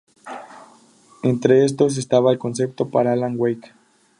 Entre estos estaba el concepto para "Alan Wake".